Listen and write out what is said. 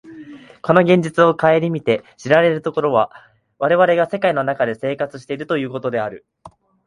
この現実を顧みて知られることは、我々が世界の中で生活しているということである。